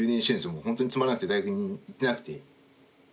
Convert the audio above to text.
もう本当につまらなくて大学に行ってなくて。